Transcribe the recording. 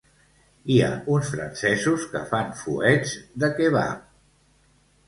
Hi ha uns francesos que fan fuets de kebab